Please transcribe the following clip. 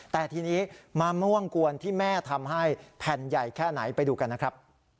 แต่ทีนี้มะม่วงกวนที่แม่ทำให้แผ่นใหญ่แค่ไหนไปดูกันนะครับ